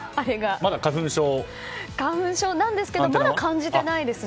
花粉症なんですけどまだ感じてないですね。